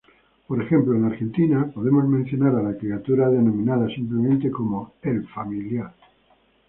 Por ejemplo en Argentina podemos mencionar a la criatura denominada simplemente como "El Familiar".